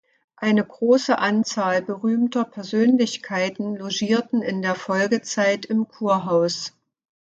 Eine große Anzahl berühmter Persönlichkeiten logierten in der Folgezeit im Kurhaus.